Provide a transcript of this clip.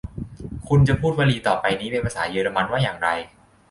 คุณจะพูดวลีต่อไปนี้เป็นภาษาเยอรมันว่าอย่างไร